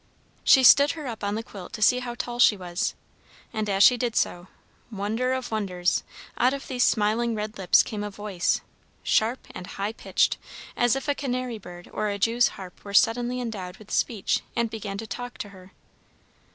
She stood her up on the quilt to see how tall she was, and as she did so, wonder of wonders, out of these smiling red lips came a voice, sharp and high pitched, as if a canary bird or a Jew's harp were suddenly endowed with speech, and began to talk to her!